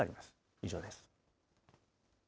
以上です。